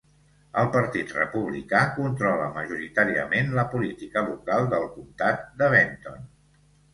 El partit republicà controla majoritàriament la política local del comtat de Benton.